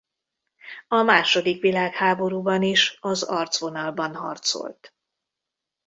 A második világháborúban is az arcvonalban harcolt.